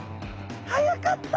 早かった！